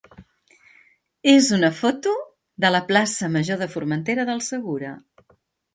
és una foto de la plaça major de Formentera del Segura.